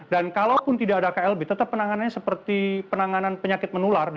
dan kalaupun tidak ada klb tetap penanganannya seperti penanganan penyakit menular